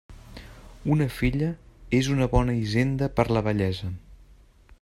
Una filla és una bona hisenda per la vellesa.